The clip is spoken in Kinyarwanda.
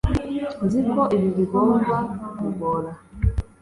nzi ko ibi bigomba kukugora